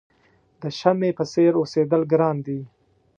د شمعې په څېر اوسېدل ګران دي.